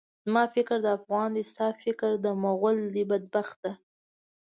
زما فکر د افغان دی، ستا فکر د مُغل دی، بدبخته!